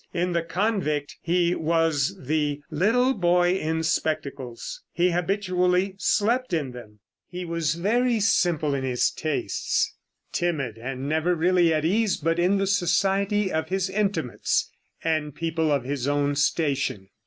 In the convict he was the "little boy in spectacles." He habitually slept in them. He was very simple in his tastes, timid and never really at ease but in the society of his intimates and people of his own station.